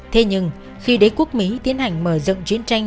thế nhưng khi đế quốc mỹ tiến hành mở rộng chiến tranh